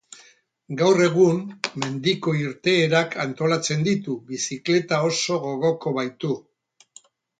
Gaur egun, mendiko irteerak antolatzen ditu, bizikleta oso gogoko baitu.